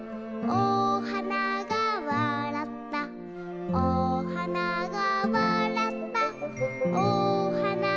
「おはながわらったおはながわらった」